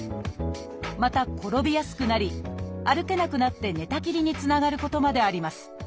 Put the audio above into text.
また転びやすくなり歩けなくなって寝たきりにつながることまであります。